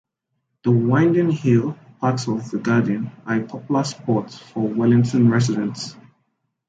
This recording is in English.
The winding hill paths of the Garden are a popular spot for Wellington residents.